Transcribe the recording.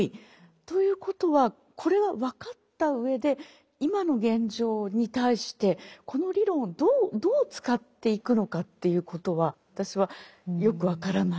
ということはこれは分かったうえで今の現状に対してこの理論をどう使っていくのかということは私はよく分からない。